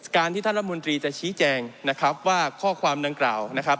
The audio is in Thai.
การที่ท่านรัฐมนตรีจะชี้แจงนะครับว่าข้อความดังกล่าวนะครับ